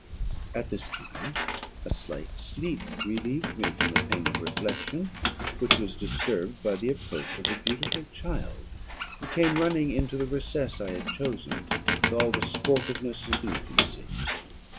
"At this time a slight sleep relieved me from the pain of reflection, which was disturbed by the approach of a beautiful child, who came running into the recess I had chosen, with all the sportiveness of infancy.